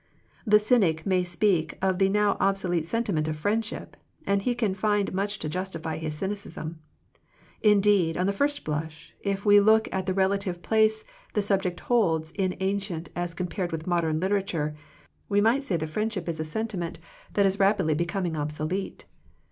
The cynic may speak of the now obso lete sentiment of friendship, and he can find much to justify his cynicism. In deed, on the first blush, if we look at the relative place the subject holds in ancient as compared with modern literature, we might say that friendship is a sentiment 14 Digitized by VjOOQIC THE MIRACLE OF FRIENDSHIP that is rapidly becoming obsolete.